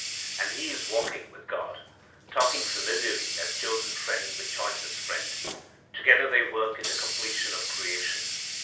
And he is walking with God, talking familiarly as chosen friend with choicest friend. Together they work in the completion of creation.